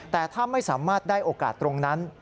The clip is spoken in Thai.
แต่ถ้าไม่สามารถได้โอกาสตรงนั้น